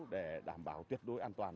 để đảm bảo tuyệt đối an toàn